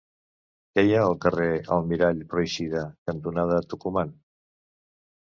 Què hi ha al carrer Almirall Pròixida cantonada Tucumán?